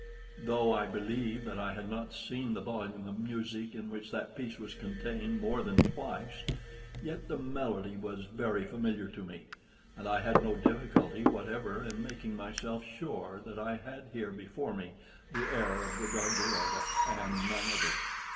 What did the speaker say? Though I believe that I had not seen the volume of music in which that piece was contained more than twice, yet the melody was very familiar to me, and I had no difficulty whatever in making myself sure that I had here before me the air of the Gagliarda and none other.